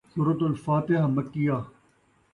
سورۃ الفاتحہ مَکِّیَّہ